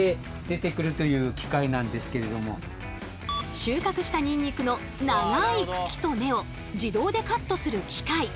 収穫したニンニクの長い茎と根を自動でカットする機械。